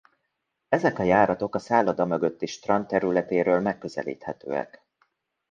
Ezek a járatok a szálloda mögötti strand területéről megközelíthetőek.